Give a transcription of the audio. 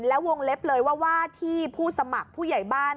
แล้ววงเล็บเลยว่าว่าที่ผู้สมัครผู้ใหญ่บ้าน